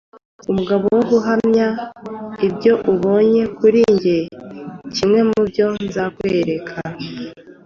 umugabo wo guhamya ibyo ubonye kuri jye, kimwe n’ibyo nzakwereka.